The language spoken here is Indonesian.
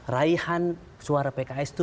raihan suara pks itu